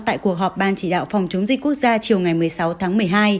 tại cuộc họp ban chỉ đạo phòng chống dịch quốc gia chiều ngày một mươi sáu tháng một mươi hai